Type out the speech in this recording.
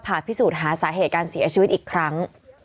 พิสูจน์หาสาเหตุการเสียชีวิตอีกครั้ง